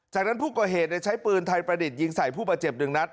จากนั้นผู้ก่อเหตุใช้ปืนไทยประดิษฐ์ยิงใส่ผู้บาดเจ็บหนึ่งนัด